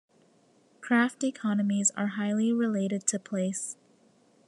Craft economies are highly related to place.